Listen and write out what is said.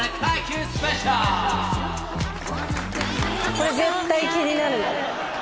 これ絶対気になる。